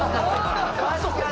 確かに！